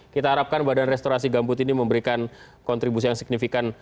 kita harapkan badan restorasi gambut ini memberikan kontribusi yang signifikan